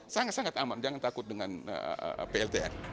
sangat sangat aman jangan takut dengan plta